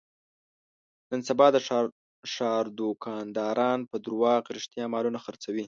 نن سبا د ښاردوکانداران په دروغ رښتیا مالونه خرڅوي.